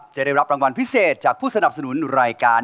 จะได้รับรางวัลพิเศษจากผู้สนับสนุนรายการ